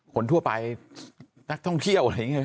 คนทั่วไปนักท่องเที่ยวอะไรอย่างนี้